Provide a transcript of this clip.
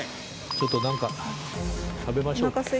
ちょっと何か食べましょうか。